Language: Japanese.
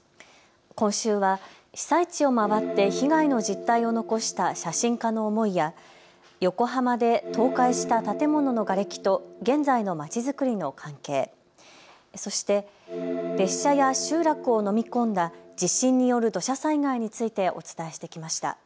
今週は被災地を回って被害の実態を残した写真家の思いや、横浜で倒壊した建物のがれきと現在のまちづくりの関係、そして列車や集落を飲み込んだ地震による土砂災害についてお伝えしてきました。